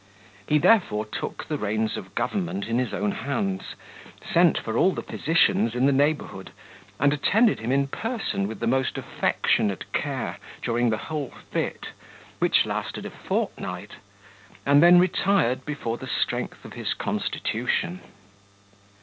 He therefore took the reins of government in his own hands, sent for all the physicians in the neighbourhood, and attended him in person with the most affectionate care, during the whole fit, which lasted a fortnight, and then retired before the strength of his constitution.